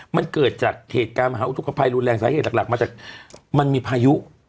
มันเกิดจากเหตุการณ์มหาอุทธกภัยรุนแรงสาเหตุหลักมาจากมันมีพายุ